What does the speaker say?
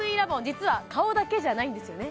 実は顔だけじゃないんですよね